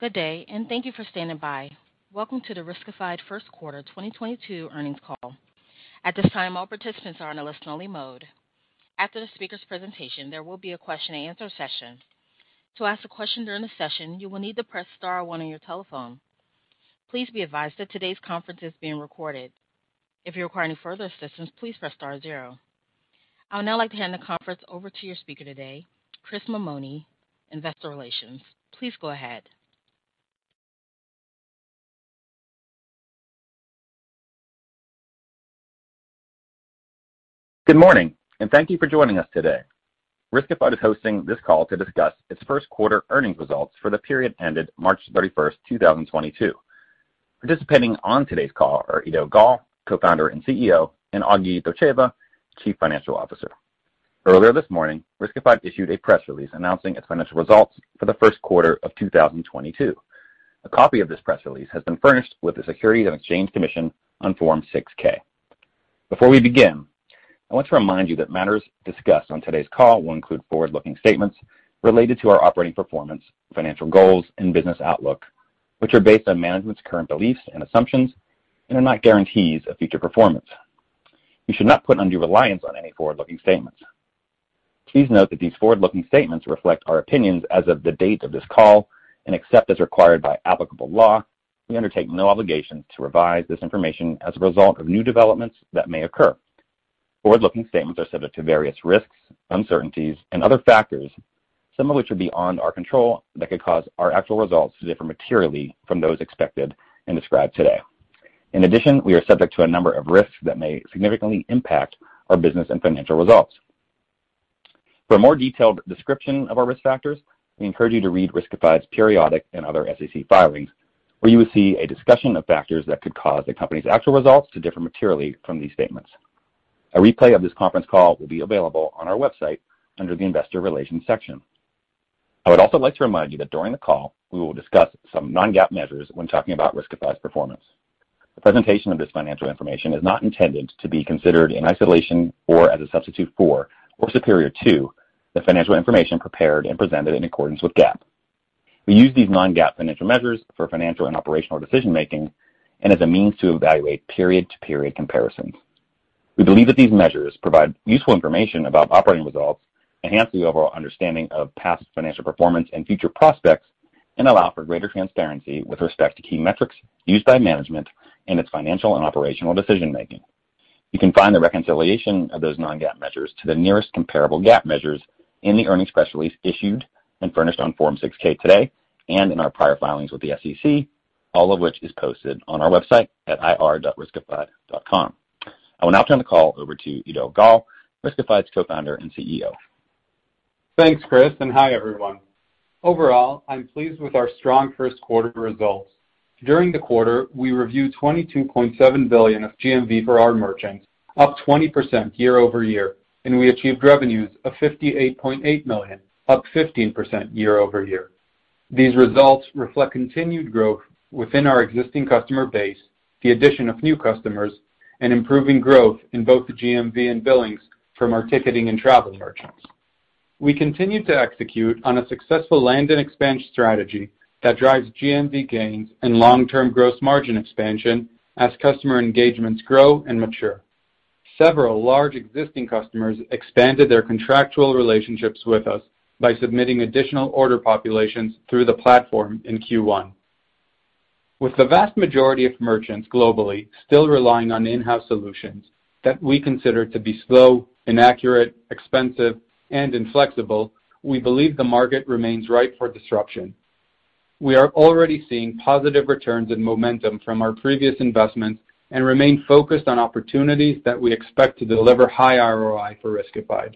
Good day and thank you for standing by. Welcome to the Riskified first quarter 2022 earnings call. At this time, all participants are in a listen-only mode. After the speaker's presentation, there will be a question-and-answer session. To ask a question during the session, you will need to press star one on your telephone. Please be advised that today's conference is being recorded. If you require any further assistance, please press star zero. I would now like to hand the conference over to your speaker today, Chris Mammone, Investor Relations. Please go ahead. Good morning and thank you for joining us today. Riskified is hosting this call to discuss its first quarter earnings results for the period ended March 31st, 2022. Participating on today's call are Eido Gal, Co-Founder and Chief Executive Officer, and Agi Dotcheva, Chief Financial Officer. Earlier this morning, Riskified issued a press release announcing its financial results for the first quarter of 2022. A copy of this press release has been furnished with the Securities and Exchange Commission on Form 6-K. Before we begin, I want to remind you that matters discussed on today's call will include forward-looking statements related to our operating performance, financial goals, and business outlook, which are based on management's current beliefs and assumptions and are not guarantees of future performance. You should not put undue reliance on any forward-looking statements. Please note that these forward-looking statements reflect our opinions as of the date of this call, and except as required by applicable law, we undertake no obligation to revise this information as a result of new developments that may occur. Forward-looking statements are subject to various risks, uncertainties, and other factors, some of which are beyond our control that could cause our actual results to differ materially from those expected and described today. In addition, we are subject to a number of risks that may significantly impact our business and financial results. For a more detailed description of our risk factors, we encourage you to read Riskified's periodic and other SEC filings, where you will see a discussion of factors that could cause the company's actual results to differ materially from these statements. A replay of this conference call will be available on our website under the Investor Relations section. I would also like to remind you that during the call, we will discuss some non-GAAP measures when talking about Riskified's performance. The presentation of this financial information is not intended to be considered in isolation or as a substitute for, or superior to, the financial information prepared and presented in accordance with GAAP. We use these non-GAAP financial measures for financial and operational decision-making and as a means to evaluate period-to-period comparisons. We believe that these measures provide useful information about operating results, enhance the overall understanding of past financial performance and future prospects, and allow for greater transparency with respect to key metrics used by management in its financial and operational decision-making. You can find the reconciliation of those non-GAAP measures to the nearest comparable GAAP measures in the earnings press release issued and furnished on Form 6-K today and in our prior filings with the SEC, all of which is posted on our website at ir.riskified.com. I will now turn the call over to Eido Gal, Riskified's Co-Founder and CEO. Thanks, Chris, and hi, everyone. Overall, I'm pleased with our strong first quarter results. During the quarter, we reviewed $22.7 billion of GMV for our merchants, up 20% year-over-year, and we achieved revenues of $58.8 million, up 15% year-over-year. These results reflect continued growth within our existing customer base, the addition of new customers, and improving growth in both the GMV and billings from our ticketing and travel merchants. We continue to execute on a successful land and expansion strategy that drives GMV gains and long-term gross margin expansion as customer engagements grow and mature. Several large existing customers expanded their contractual relationships with us by submitting additional order populations through the platform in Q1. With the vast majority of merchants globally still relying on in-house solutions that we consider to be slow, inaccurate, expensive, and inflexible, we believe the market remains ripe for disruption. We are already seeing positive returns and momentum from our previous investments and remain focused on opportunities that we expect to deliver high ROI for Riskified.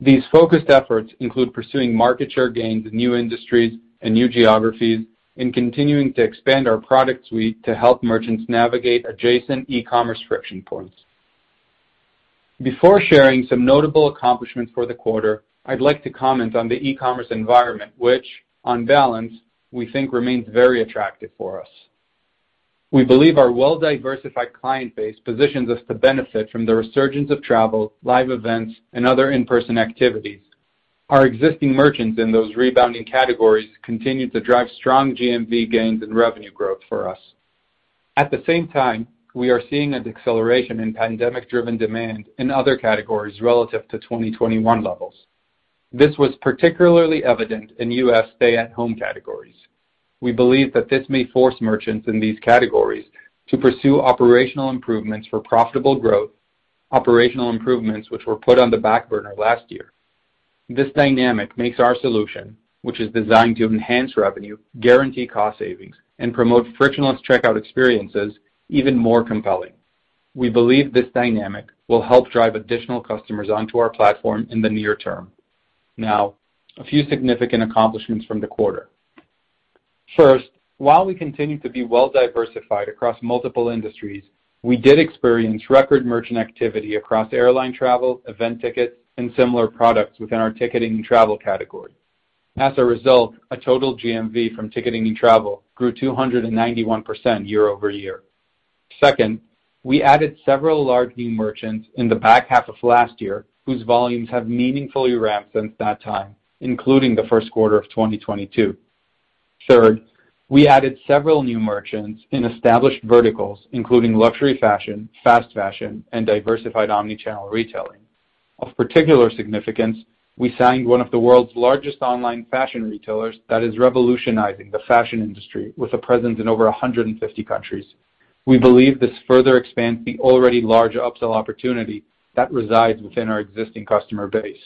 These focused efforts include pursuing market share gains in new industries and new geographies and continuing to expand our product suite to help merchants navigate adjacent e-commerce friction points. Before sharing some notable accomplishments for the quarter, I'd like to comment on the e-commerce environment, which on balance, we think remains very attractive for us. We believe our well-diversified client base positions us to benefit from the resurgence of travel, live events, and other in-person activities. Our existing merchants in those rebounding categories continue to drive strong GMV gains and revenue growth for us. At the same time, we are seeing a deceleration in pandemic-driven demand in other categories relative to 2021 levels. This was particularly evident in U.S. stay-at-home categories. We believe that this may force merchants in these categories to pursue operational improvements for profitable growth, operational improvements which were put on the back burner last year. This dynamic makes our solution, which is designed to enhance revenue, guarantee cost savings, and promote frictionless checkout experiences even more compelling. We believe this dynamic will help drive additional customers onto our platform in the near term. Now, a few significant accomplishments from the quarter. First, while we continue to be well-diversified across multiple industries, we did experience record merchant activity across airline travel, event tickets, and similar products within our ticketing and travel category. As a result, a total GMV from ticketing and travel grew 291% year-over-year. Second, we added several large new merchants in the back half of last year whose volumes have meaningfully ramped since that time, including the first quarter of 2022. Third, we added several new merchants in established verticals, including luxury fashion, fast fashion, and diversified omni-channel retailing. Of particular significance, we signed one of the world's largest online fashion retailers that is revolutionizing the fashion industry with a presence in over 150 countries. We believe this further expands the already large upsell opportunity that resides within our existing customer base.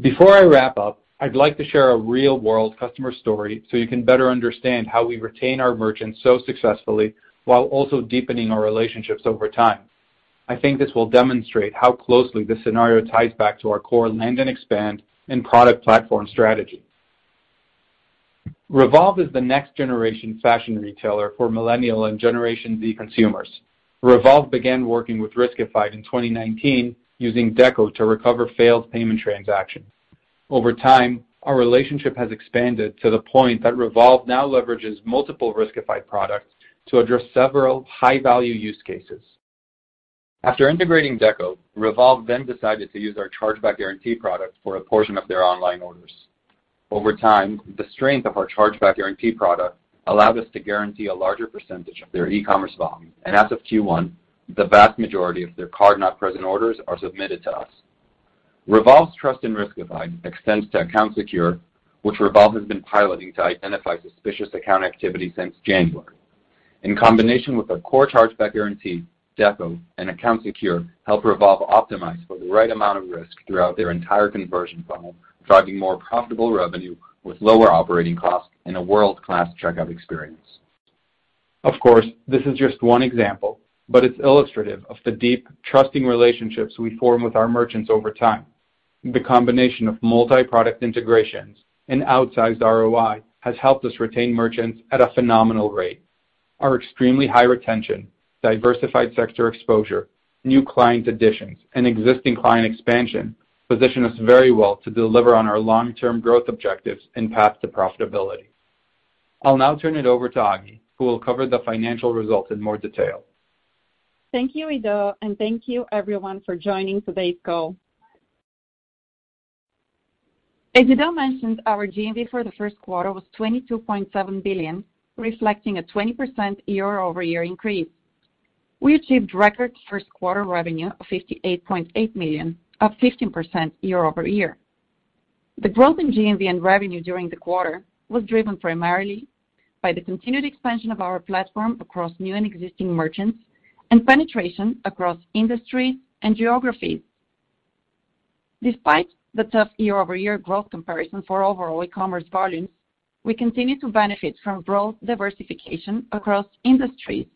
Before I wrap up, I'd like to share a real-world customer story so you can better understand how we retain our merchants so successfully while also deepening our relationships over time. I think this will demonstrate how closely this scenario ties back to our core land and expand and product platform strategy. Revolve is the next generation fashion retailer for Millennial and Generation Z consumers. Revolve began working with Riskified in 2019 using Deco to recover failed payment transactions. Over time, our relationship has expanded to the point that Revolve now leverages multiple Riskified products to address several high-value use cases. After integrating Deco, Revolve then decided to use our Chargeback Guarantee product for a portion of their online orders. Over time, the strength of our Chargeback Guarantee product allowed us to guarantee a larger percentage of their e-commerce volume, and as of Q1, the vast majority of their card-not-present orders are submitted to us. Revolve's trust in Riskified extends to Account Secure, which Revolve has been piloting to identify suspicious account activity since January. In combination with our core Chargeback Guarantee, Deco and Account Secure help Revolve optimize for the right amount of risk throughout their entire conversion funnel, driving more profitable revenue with lower operating costs and a world-class checkout experience. Of course, this is just one example, but it's illustrative of the deep, trusting relationships we form with our merchants over time. The combination of multi-product integrations and outsized ROI has helped us retain merchants at a phenomenal rate. Our extremely high retention, diversified sector exposure, new client additions, and existing client expansion position us very well to deliver on our long-term growth objectives and path to profitability. I'll now turn it over to Agi, who will cover the financial results in more detail. Thank you, Eido, and thank you everyone for joining today's call. As Eido mentioned, our GMV for the first quarter was $22.7 billion, reflecting a 20% year-over-year increase. We achieved record first quarter revenue of $58.8 million, up 15% year-over-year. The growth in GMV and revenue during the quarter was driven primarily by the continued expansion of our platform across new and existing merchants, and penetration across industries and geographies. Despite the tough year-over-year growth comparison for overall e-commerce volumes, we continue to benefit from growth diversification across industries.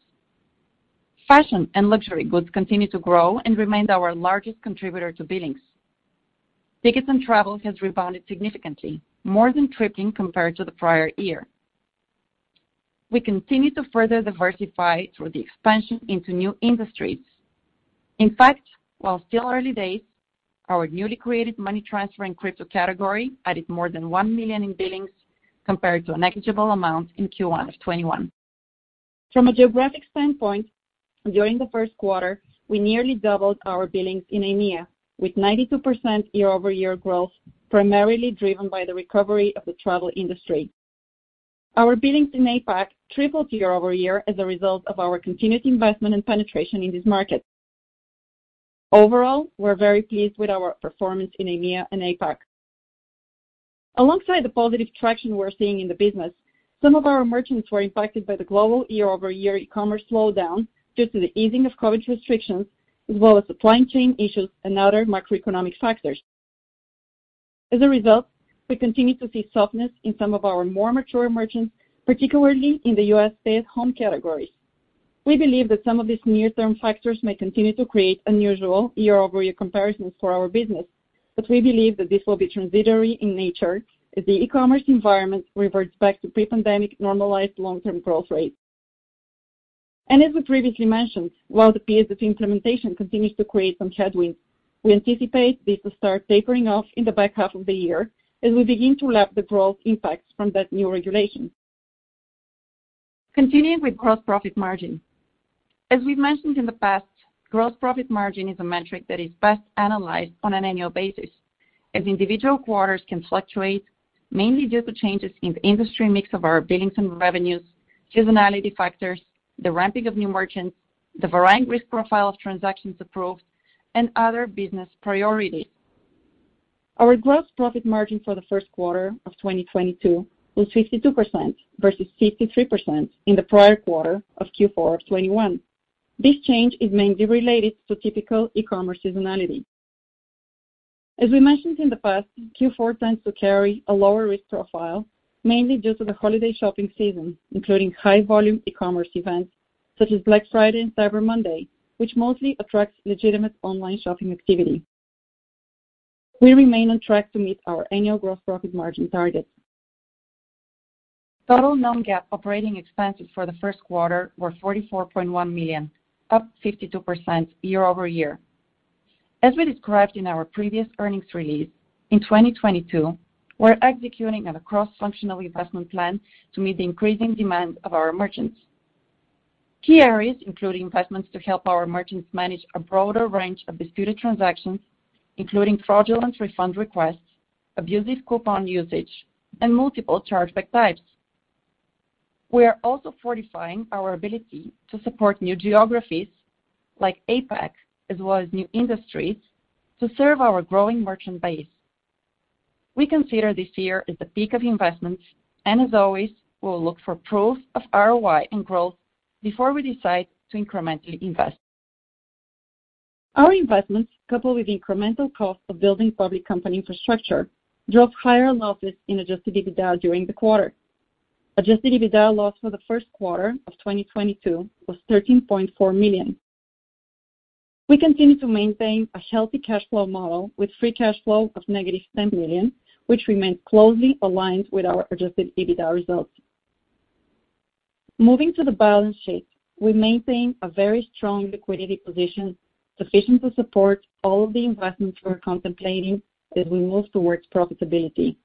Fashion and luxury goods continue to grow and remained our largest contributor to billings. Tickets and travel has rebounded significantly, more than tripling compared to the prior year. We continue to further diversify through the expansion into new industries. In fact, while still early days, our newly created money transfer and crypto category added more than $1 million in billings compared to a negligible amount in Q1 of 2021. From a geographic standpoint, during the first quarter, we nearly doubled our billings in EMEA with 92% year-over-year growth, primarily driven by the recovery of the travel industry. Our billings in APAC tripled year-over-year as a result of our continued investment and penetration in this market. Overall, we're very pleased with our performance in EMEA and APAC. Alongside the positive traction we're seeing in the business, some of our merchants were impacted by the global year-over-year e-commerce slowdown due to the easing of COVID restrictions, as well as supply chain issues and other macroeconomic factors. As a result, we continue to see softness in some of our more mature merchants, particularly in the U.S. stay-at-home categories. We believe that some of these near-term factors may continue to create unusual year-over-year comparisons for our business, but we believe that this will be transitory in nature as the e-commerce environment reverts back to pre-pandemic normalized long-term growth rates. As we previously mentioned, while the PSD2 implementation continues to create some headwinds, we anticipate this to start tapering off in the back half of the year as we begin to lap the growth impacts from that new regulation. Continuing with gross profit margin. As we've mentioned in the past, gross profit margin is a metric that is best analyzed on an annual basis, as individual quarters can fluctuate, mainly due to changes in the industry mix of our billings and revenues, seasonality factors, the ramping of new merchants, the varying risk profile of transactions approved, and other business priorities. Our gross profit margin for the first quarter of 2022 was 52% versus 53% in the prior quarter of Q4 of 2021. This change is mainly related to typical e-commerce seasonality. We mentioned in the past, Q4 tends to carry a lower risk profile, mainly due to the holiday shopping season, including high volume e-commerce events such as Black Friday and Cyber Monday, which mostly attracts legitimate online shopping activity. We remain on track to meet our annual gross profit margin targets. Total non-GAAP operating expenses for the first quarter were $44.1 million, up 52% year-over-year. We described in our previous earnings release, in 2022, we're executing on a cross-functional investment plan to meet the increasing demands of our merchants. Key areas include investments to help our merchants manage a broader range of disputed transactions, including fraudulent refund requests, abusive coupon usage, and multiple chargeback types. We are also fortifying our ability to support new geographies like APAC, as well as new industries to serve our growing merchant base. We consider this year as the peak of investments, and as always, we'll look for proof of ROI and growth before we decide to incrementally invest. Our investments, coupled with incremental costs of building public company infrastructure, drove higher losses in Adjusted EBITDA during the quarter. Adjusted EBITDA loss for the first quarter of 2022 was $13.4 million. We continue to maintain a healthy cash flow model with free cash flow of -$10 million, which remains closely aligned with our Adjusted EBITDA results. Moving to the balance sheet, we maintain a very strong liquidity position, sufficient to support all of the investments we're contemplating as we move towards profitability.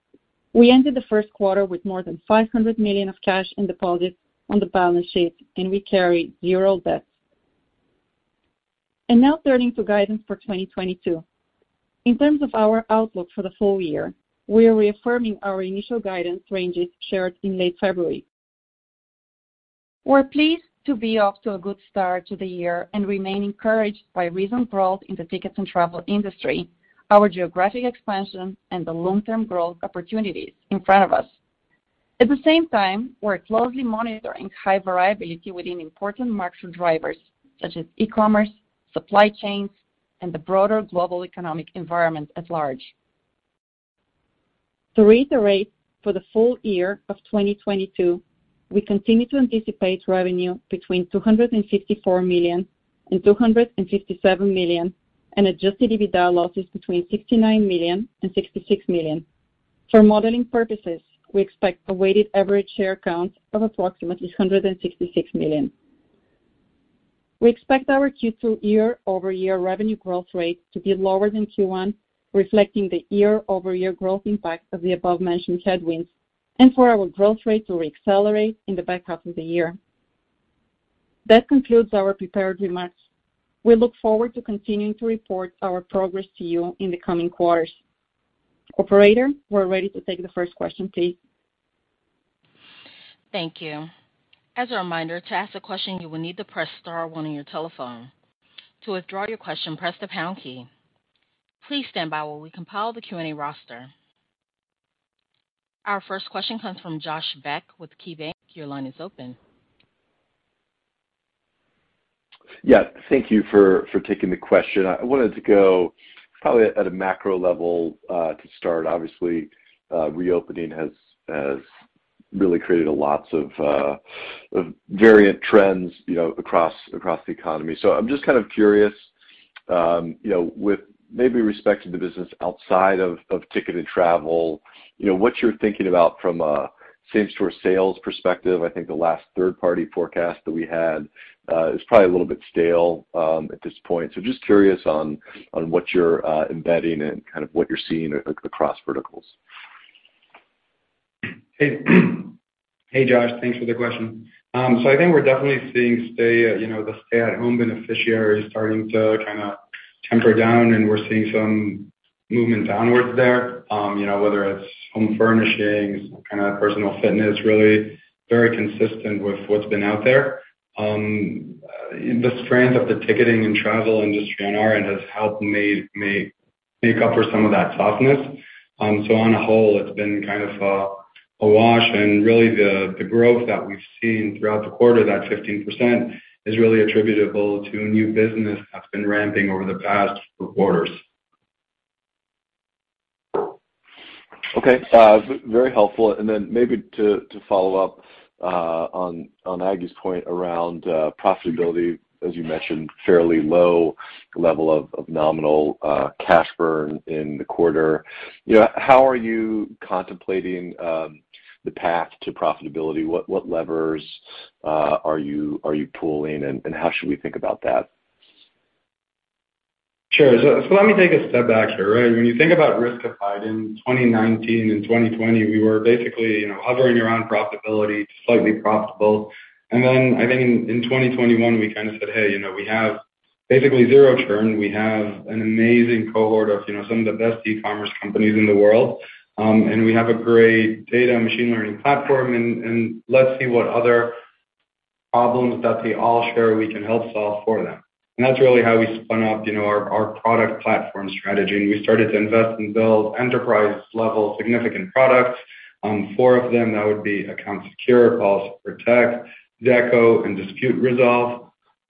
We ended the first quarter with more than $500 million of cash and deposits on the balance sheet, and we carry zero debt. Now turning to guidance for 2022. In terms of our outlook for the full year, we are reaffirming our initial guidance ranges shared in late February. We're pleased to be off to a good start to the year and remain encouraged by recent growth in the tickets and travel industry, our geographic expansion, and the long-term growth opportunities in front of us. At the same time, we're closely monitoring high variability within important market drivers such as e-commerce, supply chains, and the broader global economic environment at large. To reiterate, for the full year of 2022, we continue to anticipate revenue between $254 million and $257 million, and Adjusted EBITDA losses between $69 million and $66 million. For modeling purposes, we expect a weighted average share count of approximately 166 million. We expect our Q2 year-over-year revenue growth rate to be lower than Q1, reflecting the year-over-year growth impact of the above-mentioned headwinds, and for our growth rate to reaccelerate in the back half of the year. That concludes our prepared remarks. We look forward to continuing to report our progress to you in the coming quarters. Operator, we're ready to take the first question, please. Thank you. As a reminder, to ask a question, you will need to press star one on your telephone. To withdraw your question, press the pound key. Please stand by while we compile the Q&A roster. Our first question comes from Josh Beck with KeyBanc Capital Markets. Your line is open. Yeah. Thank you for taking the question. I wanted to go probably at a macro level to start. Obviously, reopening has really created lots of variant trends, you know, across the economy. I'm just kind of curious, you know, with maybe respect to the business outside of ticket and travel, you know, what you're thinking about from a same-store sales perspective. I think the last third-party forecast that we had is probably a little bit stale at this point. Just curious on what you're embedding and kind of what you're seeing across verticals. Hey. Hey, Josh. Thanks for the question. So, I think we're definitely seeing stay, you know, the stay-at-home beneficiaries starting to kinda temper down, and we're seeing some movement downwards there. You know, whether it's home furnishings or kinda personal fitness, really very consistent with what's been out there. The strength of the ticketing and travel industry on our end has helped make up for some of that softness. So, on a whole, it's been kind of a wash. Really the growth that we've seen throughout the quarter, that 15%, is really attributable to new business that's been ramping over the past four quarters. Okay. Very helpful. Maybe to follow up on Aggie's point around profitability, as you mentioned, fairly low level of nominal cash burn in the quarter. You know, how are you contemplating the path to profitability? What levers are you pulling, and how should we think about that? Sure. Let me take a step back here, right? When you think about Riskified in 2019 and 2020, we were basically, you know, hovering around profitability, slightly profitable. Then I think in 2021, we kinda said, "Hey, you know, we have basically zero churn. We have an amazing cohort of, you know, some of the best e-commerce companies in the world. We have a great data machine learning platform and let's see what other problems that they all share we can help solve for them." That's really how we spun off, you know, our product platform strategy. We started to invest and build enterprise-level significant products. Four of them, that would be Account Secure, [Fraud] Protect, Deco, and Dispute Resolve.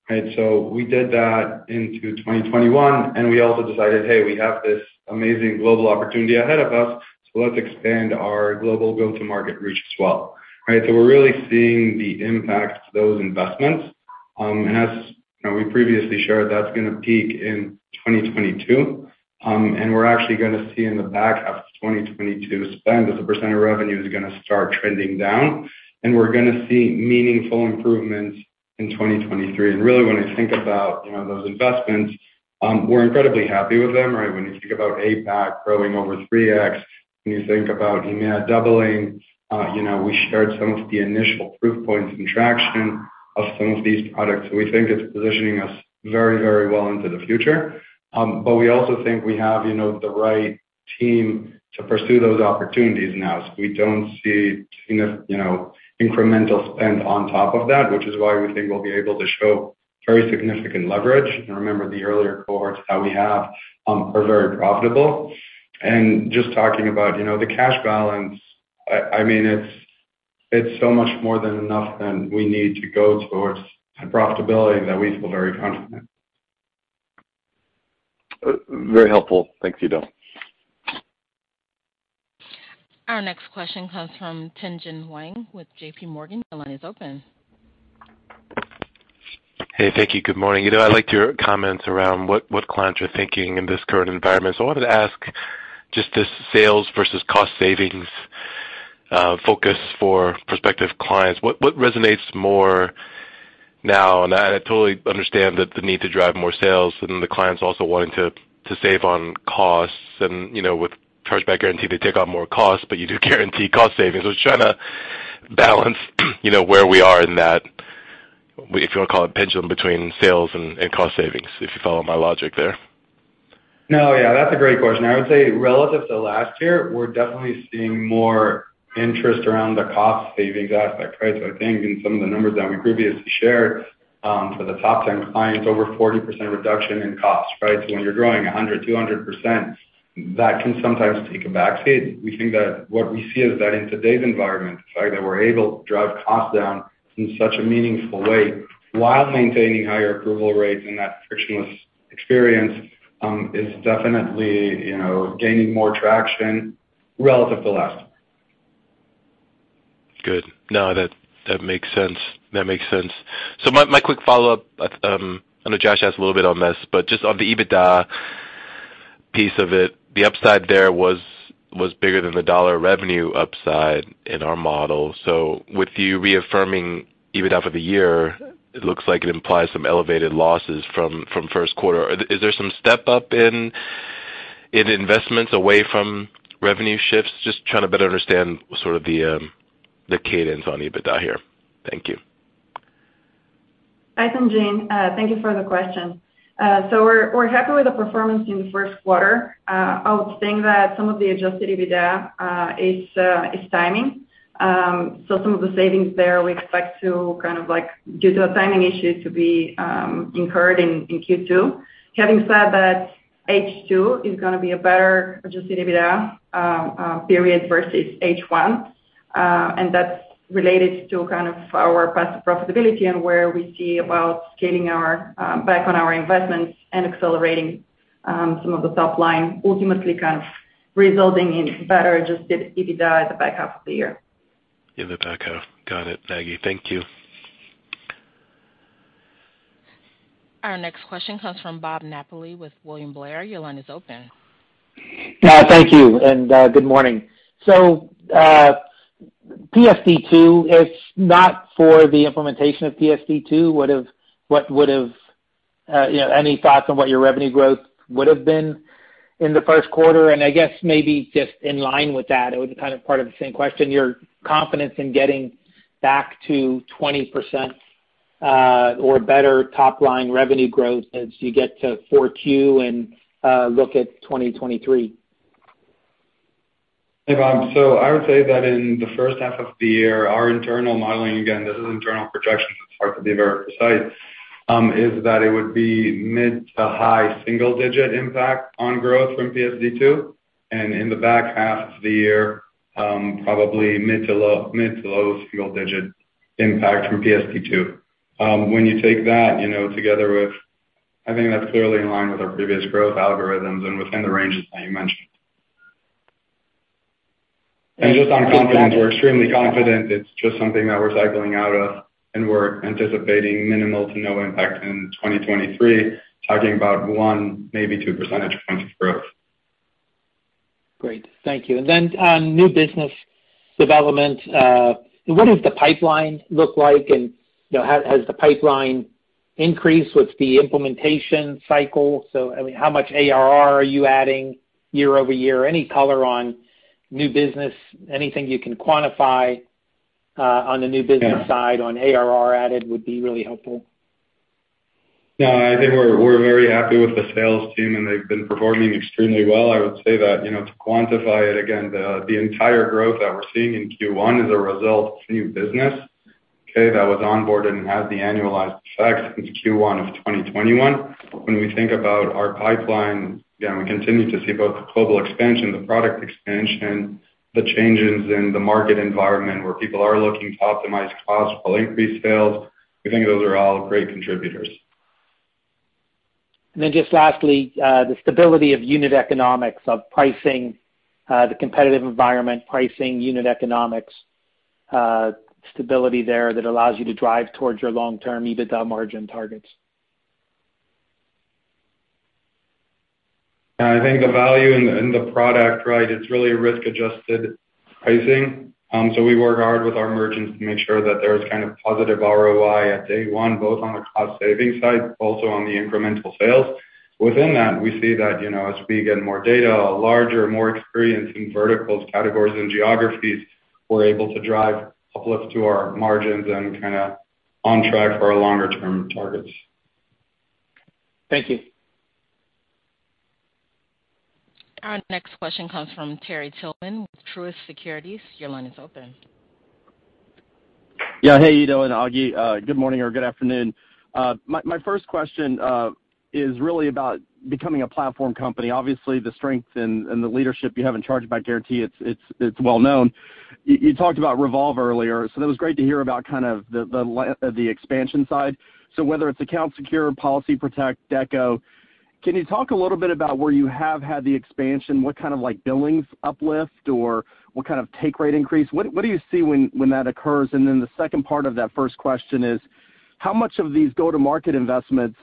Right? We did that into 2021, and we also decided, "Hey, we have this amazing global opportunity ahead of us, so let's expand our global go-to-market reach as well." Right? We're really seeing the impact to those investments. As you know, we previously shared, that's gonna peak in 2022. We're actually gonna see in the back half of 2022 spend as a % of revenue is gonna start trending down, and we're gonna see meaningful improvements in 2023. Really when you think about, you know, those investments, we're incredibly happy with them, right? When you think about APAC growing over 3x, when you think about EMEA doubling, you know, we shared some of the initial proof points and traction of some of these products. We think it's positioning us very, very well into the future. We also think we have, you know, the right team to pursue those opportunities now. We don't see you know, incremental spend on top of that, which is why we think we'll be able to show very significant leverage. Remember, the earlier cohorts that we have are very profitable. Just talking about, you know, the cash balance, I mean, it's so much more than enough than we need to go towards profitability and that we feel very confident. Very helpful. Thanks, Eido. Our next question comes from Tien-Tsin Huang with JPMorgan. The line is open. Hey, thank you. Good morning. Eido, I liked your comments around what clients are thinking in this current environment. I wanted to ask just this sales versus cost savings focus for prospective clients. What resonates more now? I totally understand that the need to drive more sales and the clients also wanting to save on costs. You know, with Chargeback Guarantee, they take on more costs, but you do guarantee cost savings. I was trying to balance, you know, where we are in that, if you wanna call it pendulum between sales and cost savings, if you follow my logic there. No, yeah. That's a great question. I would say relative to last year, we're definitely seeing more interest around the cost savings aspect, right? I think in some of the numbers that we previously shared, for the top 10 clients, over 40% reduction in costs, right? When you're growing 100, 200%, that can sometimes take a back seat. We think that what we see is that in today's environment, the fact that we're able to drive costs down in such a meaningful way while maintaining higher approval rates and that frictionless experience, is definitely, you know, gaining more traction relative to last year. Good. No, that makes sense. My quick follow-up, I know Josh has a little bit on this, but just on the EBITDA piece of it, the upside there was bigger than the dollar revenue upside in our model. With you reaffirming EBITDA for the year, it looks like it implies some elevated losses from first quarter. Is there some step-up in investments away from revenue shifts? Just trying to better understand sort of the cadence on EBITDA here. Thank you. Hi, Tien-Tsin Huang. Thank you for the question. We're happy with the performance in the first quarter. I would think that some of the Adjusted EBITDA is timing. Some of the savings there we expect to kind of like due to a timing issue to be incurred in Q2. Having said that, H2 is gonna be a better Adjusted EBITDA period versus H1, and that's related to kind of our path to profitability and where we see about scaling back on our investments and accelerating some of the top line, ultimately kind of resulting in better Adjusted EBITDA at the back half of the year. In the back half. Got it, Agi. Thank you. Our next question comes from Bob Napoli with William Blair. Your line is open. Yeah. Thank you, and good morning. PSD2, if not for the implementation of PSD2, what would have, you know, any thoughts on what your revenue growth would have been in the first quarter? I guess maybe just in line with that, it would be kind of part of the same question, your confidence in getting back to 20% or better top line revenue growth as you get to 4Q and look at 2023. Hey, Bob. I would say that in the first half of the year, our internal modeling, again, this is internal projections, it's hard to be very precise, is that it would be mid- to high-single-digit impact on growth from PSD2. In the back half of the year, probably mid- to low-single-digit impact from PSD2. When you take that, you know, together with, I think that's clearly in line with our previous growth algorithms and within the ranges that you mentioned. Just on confidence, we're extremely confident. It's just something that we're cycling out of, and we're anticipating minimal to no impact in 2023, talking about one, maybe two percentage points of growth. Great. Thank you. Then on new business development, what does the pipeline look like? You know, has the pipeline increased with the implementation cycle? I mean, how much ARR are you adding year-over-year? Any color on new business, anything you can quantify, on the new business side on ARR added would be really helpful. No, I think we're very happy with the sales team, and they've been performing extremely well. I would say that, you know, to quantify it again, the entire growth that we're seeing in Q1 is a result of new business, okay, that was onboarded and had the annualized effect since Q1 of 2021. When we think about our pipeline, again, we continue to see both the global expansion, the product expansion, the changes in the market environment where people are looking to optimize costs while increased sales. We think those are all great contributors. Just lastly, the stability of unit economics of pricing, the competitive environment, pricing, unit economics stability there that allows you to drive towards your long-term EBITDA margin targets. I think the value in the product, right, it's really risk-adjusted pricing. We work hard with our merchants to make sure that there's kind of positive ROI at day one, both on the cost savings side, but also on the incremental sales. Within that, we see that, you know, as we get more data, a larger, more experienced in verticals, categories, and geographies, we're able to drive uplift to our margins and kinda on track for our longer-term targets. Thank you. Our next question comes from Terry Tillman with Truist Securities. Your line is open. Yeah. Hey, how you doing, Agi? Good morning or good afternoon. My first question is really about becoming a platform company. Obviously, the strength and the leadership you have in charge of Chargeback Guarantee, it's well-known. You talked about Revolve earlier, so that was great to hear about kind of the expansion side. Whether it's Account Secure, Policy Protect, Deco, can you talk a little bit about where you have had the expansion? What kind of like billings uplift or what kind of take rate increase? What do you see when that occurs? The second part of that first question is, how much of these go-to-market investments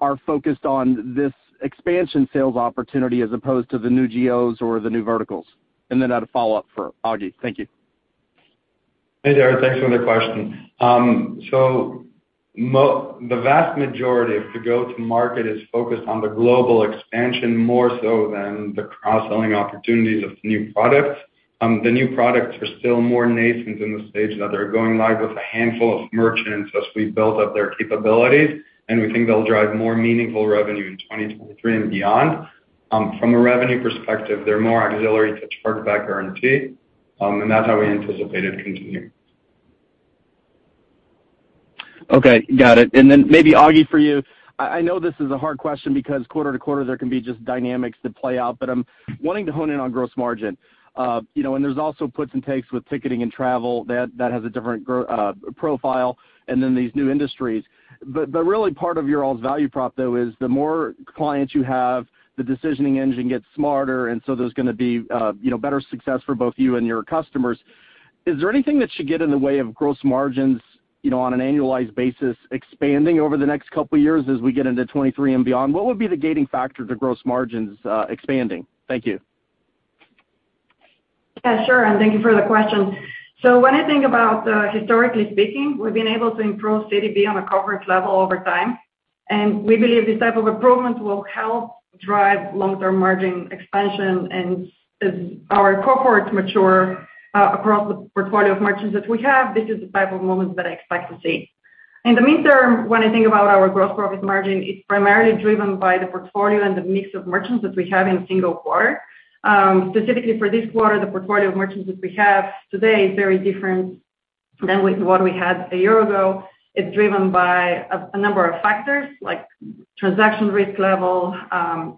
are focused on this expansion sales opportunity as opposed to the new geos or the new verticals? I had a follow-up for Agi. Thank you. Hey, Terry. Thanks for the question. The vast majority of the go-to-market is focused on the global expansion more so than the cross-selling opportunities of new products. The new products are still more nascent in the stage that they're going live with a handful of merchants as we build up their capabilities, and we think they'll drive more meaningful revenue in 2023 and beyond. From a revenue perspective, they're more auxiliary to Chargeback Guarantee, and that's how we anticipate it continuing. Okay. Got it. Then maybe Agi, for you, I know this is a hard question because quarter-to-quarter there can be just dynamics that play out, but I'm wanting to hone in on gross margin. You know, and there's also puts and takes with ticketing and travel that has a different profile, and then these new industries. But really part of your all's value prop, though, is the more clients you have, the decisioning engine gets smarter, and so there's gonna be, you know, better success for both you and your customers. Is there anything that should get in the way of gross margins, you know, on an annualized basis expanding over the next couple years as we get into 2023 and beyond? What would be the gating factor to gross margins expanding? Thank you. Yeah, sure, and thank you for the question. When I think about, historically speaking, we've been able to improve CDB on a coverage level over time, and we believe this type of improvement will help drive long-term margin expansion. As our cohorts mature, across the portfolio of merchants that we have, this is the type of moments that I expect to see. In the midterm, when I think about our gross profit margin, it's primarily driven by the portfolio and the mix of merchants that we have in a single quarter. Specifically for this quarter, the portfolio of merchants that we have today is very different than what we had a year ago. It's driven by a number of factors like transaction risk level,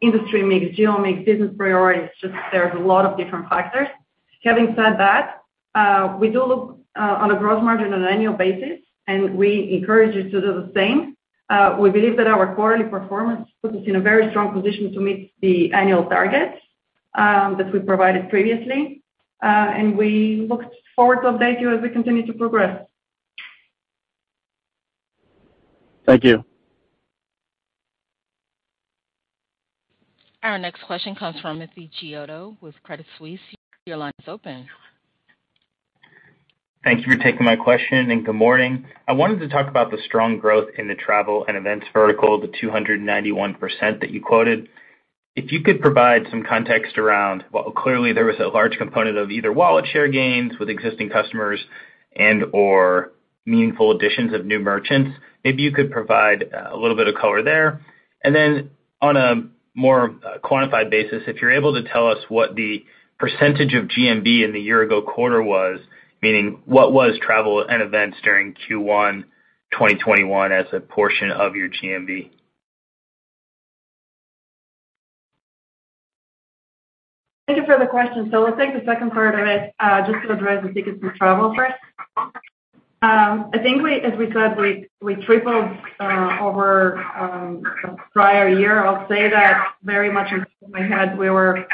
industry mix, geo mix, business priorities. Just there's a lot of different factors. Having said that, we do look on a gross margin on an annual basis, and we encourage you to do the same. We believe that our quarterly performance puts us in a very strong position to meet the annual targets that we provided previously, and we look forward to update you as we continue to progress. Thank you. Our next question comes from Timothy Chiodo with Credit Suisse. Your line is open. Thank you for taking my question, and good morning. I wanted to talk about the strong growth in the travel and events vertical, the 291% that you quoted. If you could provide some context around well, clearly there was a large component of either wallet share gains with existing customers and/or meaningful additions of new merchants. Maybe you could provide, a little bit of color there. Then on a more quantified basis, if you're able to tell us what the percentage of GMV in the year ago quarter was, meaning what was travel and events during Q1 2021 as a portion of your GMV? Thank you for the question. I'll take the second part of it, just to address the tickets and travel first. I think we, as we said, we tripled over the prior year. I'll say that very much in my head, we were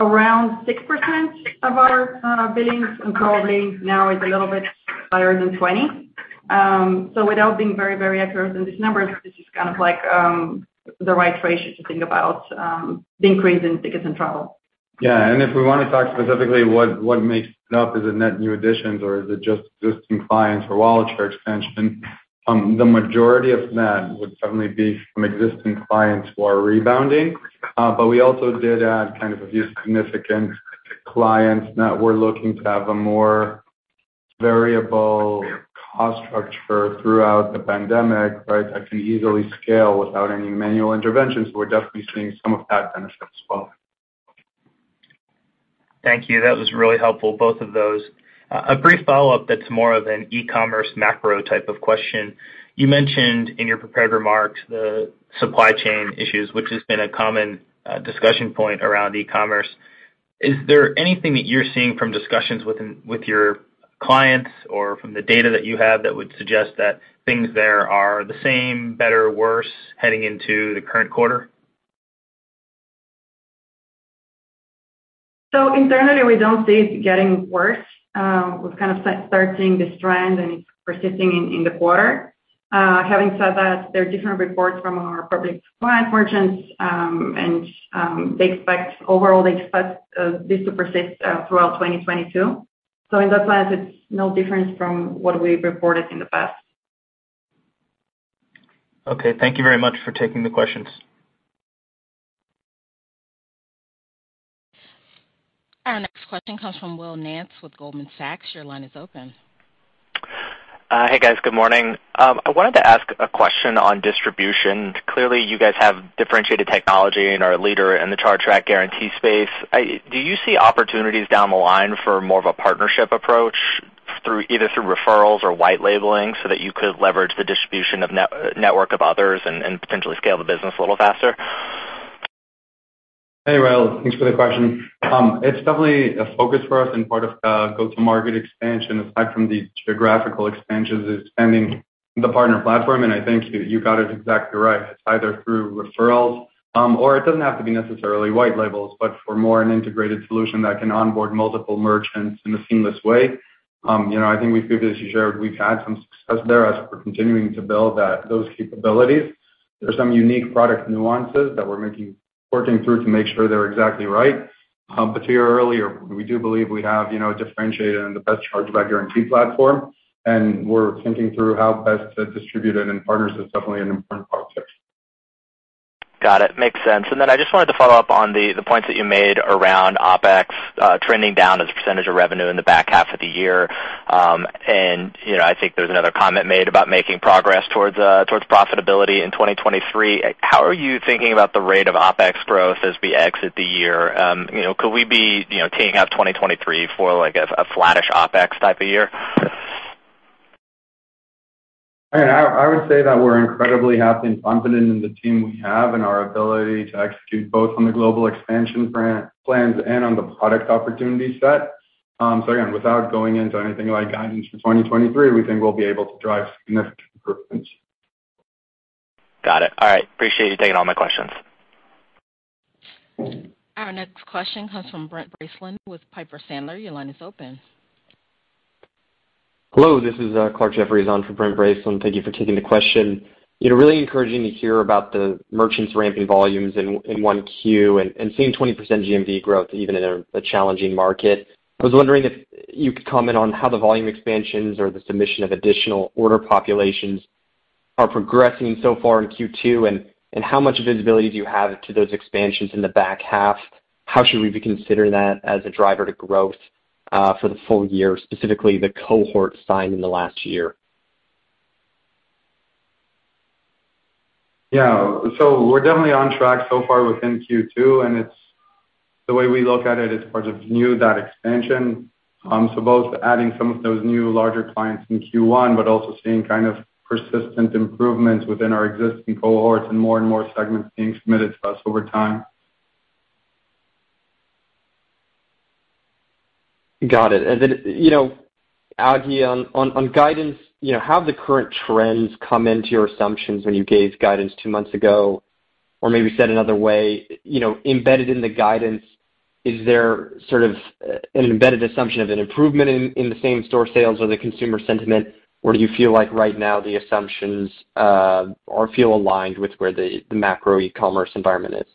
around 6% of our billings, and probably now it's a little bit higher than 20%. Without being very, very accurate in these numbers, this is kind of like the right ratio to think about the increase in tickets and travel. Yeah. If we wanna talk specifically what makes it up, is it net new additions or is it just existing clients or wallet share expansion? The majority of that would certainly be from existing clients who are rebounding. But we also did add kind of a few significant clients that were looking to have a more variable cost structure throughout the pandemic, right? That can easily scale without any manual interventions. We're definitely seeing some of that benefit as well. Thank you. That was really helpful, both of those. A brief follow-up that's more of an e-commerce macro type of question. You mentioned in your prepared remarks the supply chain issues, which has been a common discussion point around e-commerce. Is there anything that you're seeing from discussions with your clients or from the data that you have that would suggest that things there are the same, better, worse heading into the current quarter? Internally, we don't see it getting worse. We've kind of started this trend and it's persisting in the quarter. Having said that, there are different reports from our public client merchants, and overall, they expect this to persist throughout 2022. In that sense, it's no different from what we've reported in the past. Okay. Thank you very much for taking the questions. Our next question comes from Will Nance with Goldman Sachs. Your line is open. Hey, guys. Good morning. I wanted to ask a question on distribution. Clearly, you guys have differentiated technology and are a leader in the Chargeback Guarantee space. Do you see opportunities down the line for more of a partnership approach either through referrals or white labeling so that you could leverage the distribution of network of others and potentially scale the business a little faster? Hey, Will. Thanks for the question. It's definitely a focus for us and part of go-to-market expansion, aside from the geographical expansions, expanding the partner platform. I think you got it exactly right. It's either through referrals, or it doesn't have to be necessarily white labels, but for more an integrated solution that can onboard multiple merchants in a seamless way. You know, I think we've previously shared we've had some success there as we're continuing to build those capabilities. There are some unique product nuances that we're working through to make sure they're exactly right. But to your earlier, we do believe we have differentiated and the best Chargeback Guarantee platform, and we're thinking through how best to distribute it, and partners is definitely an important part of it. Got it. Makes sense. Then I just wanted to follow up on the points that you made around OpEx trending down as a percentage of revenue in the back half of the year. You know, I think there's another comment made about making progress towards profitability in 2023. How are you thinking about the rate of OpEx growth as we exit the year? You know, could we be teeing up 2023 for, like, a flattish OpEx type of year? I mean, I would say that we're incredibly happy and confident in the team we have and our ability to execute both on the global expansion plans and on the product opportunity set. So again, without going into anything like guidance for 2023, we think we'll be able to drive significant improvements. Got it. All right. Appreciate you taking all my questions. Our next question comes from Brent Bracelin with Piper Sandler. Your line is open. Hello, this is Clarke Jeffries on for Brent Bracelin. Thank you for taking the question. You know, really encouraging to hear about the merchants ramping volumes in 1Q and seeing 20% GMV growth even in a challenging market. I was wondering if you could comment on how the volume expansions or the submission of additional order populations are progressing so far in Q2, and how much visibility do you have to those expansions in the back half? How should we be considering that as a driver to growth for the full year, specifically the cohort signed in the last year? Yeah. We're definitely on track so far within Q2, and the way we look at it is part of net expansion, both adding some of those new larger clients in Q1 but also seeing kind of persistent improvements within our existing cohorts and more and more segments being submitted to us over time. Got it. You know, Agi, on guidance, you know, how have the current trends come into your assumptions when you gave guidance two months ago? Maybe said another way, you know, embedded in the guidance, is there sort of an embedded assumption of an improvement in the same store sales or the consumer sentiment? Do you feel like right now the assumptions or feel aligned with where the macro e-commerce environment is?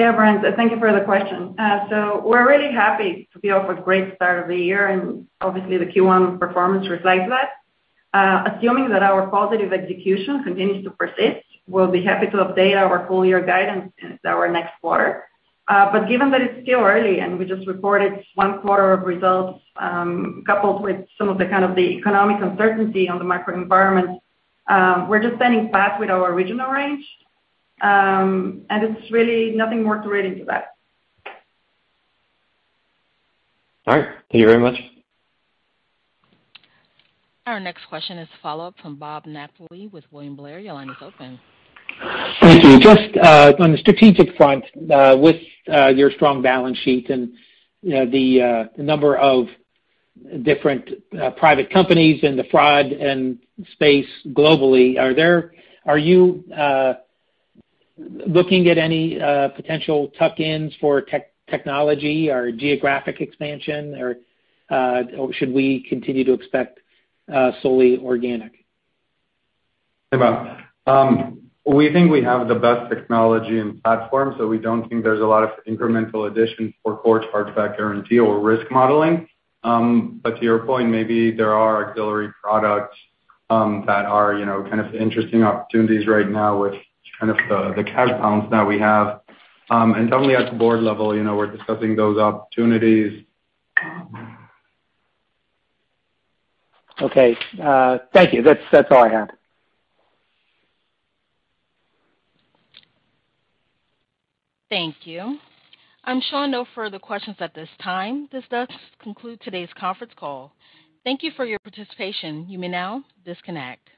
Yeah, Brent. Thank you for the question. We're really happy to be off a great start of the year, and obviously the Q1 performance reflects that. Assuming that our positive execution continues to persist, we'll be happy to update our full year guidance in our next quarter. Given that it's still early and we just reported one quarter of results, coupled with some of the kind of economic uncertainty in the macro environment, we're just standing back with our original range, and it's really nothing more to read into that. All right. Thank you very much. Our next question is a follow-up from Bob Napoli with William Blair. Your line is open. Thank you. Just on the strategic front, with your strong balance sheet and, you know, the number of different private companies in the fraud space globally, are you looking at any potential tuck-ins for technology or geographic expansion? Or should we continue to expect solely organic? Hey, Bob. We think we have the best technology and platform, so we don't think there's a lot of incremental addition for core Chargeback Guarantee or risk modeling. To your point, maybe there are auxiliary products that are, you know, kind of interesting opportunities right now with kind of the cash balance that we have. Definitely at the board level, you know, we're discussing those opportunities. Okay. Thank you. That's all I have. Thank you. I'm showing no further questions at this time. This does conclude today's conference call. Thank you for your participation. You may now disconnect.